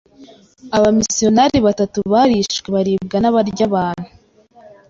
Abamisiyoneri batatu barishwe baribwa n'abarya abantu.